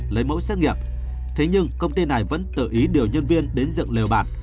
lấy mẫu xét nghiệm thế nhưng công ty này vẫn tự ý điều nhân viên đến dựng liều bản